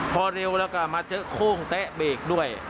พอเร็วแล้วก็มาเจอโค้งเต๊ะเบรกด้วย